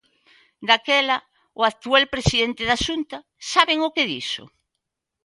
Daquela o actual presidente da Xunta ¿saben o que dixo?